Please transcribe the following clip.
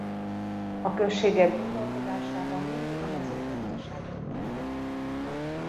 A községek gazdálkodásában mindig a mezőgazdaság dominált.